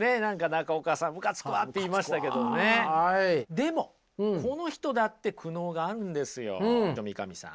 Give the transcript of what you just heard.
でもこの人だって苦悩があるんですよ三上さん。